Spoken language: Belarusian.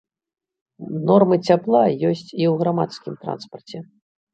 Нормы цяпла ёсць і ў грамадскім транспарце.